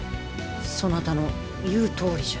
そなたの言うとおりじゃ。